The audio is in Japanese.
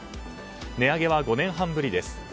値上げは５年半ぶりです。